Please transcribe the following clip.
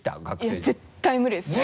いや絶対無理ですね！